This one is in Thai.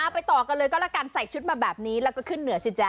ไปต่อกันเลยก็ละกันใส่ชุดมาแบบนี้แล้วก็ขึ้นเหนือสิจ๊